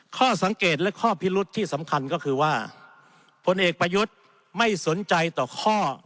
ข้อสังเกตและข้อพิรุษที่สำคัญก็คือว่าผลเอกประยุทธ์ไม่สนใจต่อข้อ